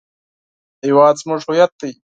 هېواد زموږ هویت دی